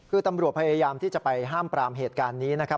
คือตำรวจพยายามที่จะไปห้ามปรามเหตุการณ์นี้นะครับ